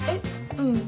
うん。